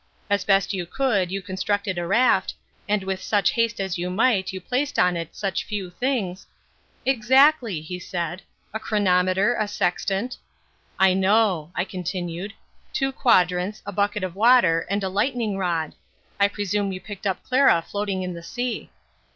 "As best you could, you constructed a raft, and with such haste as you might you placed on it such few things " "Exactly," he said, "a chronometer, a sextant " "I know," I continued, "two quadrants, a bucket of water, and a lightning rod. I presume you picked up Clara floating in the sea."